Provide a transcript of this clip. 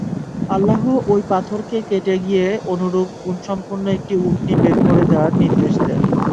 আল্লাহ্ ঐ পাথরকে কেটে গিয়ে অনুরূপ গুণসম্পন্ন একটি উটনী বের করে দেয়ার নির্দেশ দেন।